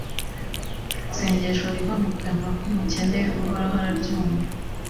isengesho riva mu kanwa k'umukene, uhoraho araryumva